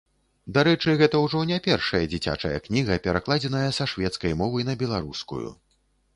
Дарэчы, гэта ўжо не першая дзіцячая кніга, перакладзеная са шведскай мовы на беларускую.